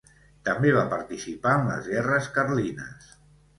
També va participar en les guerres Carlines.